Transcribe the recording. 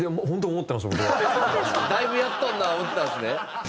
だいぶやっとるな思ってたんですね。